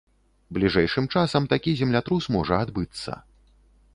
Бліжэйшым часам такі землятрус можа адбыцца.